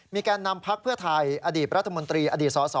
แก่นนำพักเพื่อไทยอดีตรัฐมนตรีอดีตสส